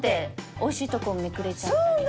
おいしいところめくれちゃったりとか。